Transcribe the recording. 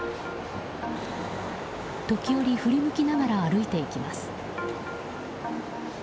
時折、振り向きながら歩いていきます。